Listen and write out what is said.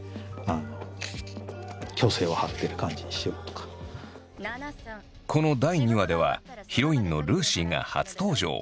これはそのこの第２話ではヒロインのルーシーが初登場。